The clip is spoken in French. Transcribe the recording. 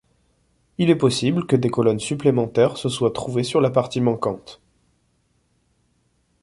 Il est possible que des colonnes supplémentaires se soient trouvées sur la partie manquante.